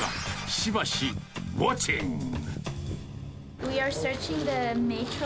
しばしウォッチング。